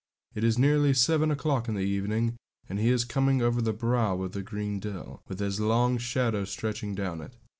It is nearly seven o'clock in the evening, and he is coming over the brow of the green dell, with his long shadow stretching down it.